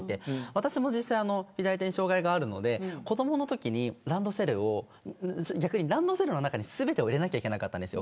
私も左手に障害があるので子どものときに、ランドセルを逆にランドセルの中に全てを入れなければいけなかったんです。